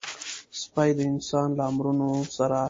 سپي د انسان له امرونو سره عادت کېږي.